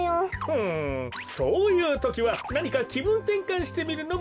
ふむそういうときはなにかきぶんてんかんしてみるのもいいダロ。